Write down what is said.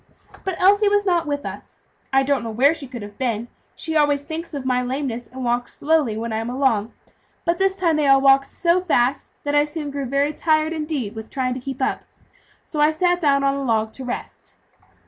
But Elsie was not with us. I don't know where she could have been; she always thinks of my lameness, and walks slowly when I am along, but this time they all walked so fast that I soon grew very tired, indeed, with trying to keep up. So I sat down on a log to rest.